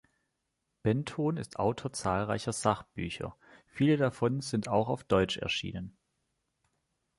Benton ist Autor zahlreicher Sachbücher; viele davon sind auch auf Deutsch erschienen.